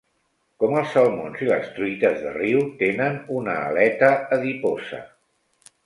Com els salmons i les truites de riu tenen una aleta adiposa.